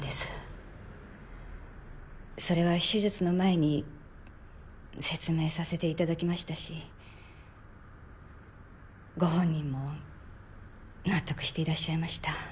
それは手術の前に説明させて頂きましたしご本人も納得していらっしゃいました。